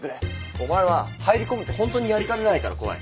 お前は入り込むとホントにやりかねないから怖い。